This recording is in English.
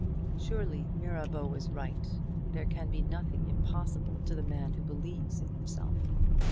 Surely Mirabeau was right. There can be nothing impossible to the man who believes in himself.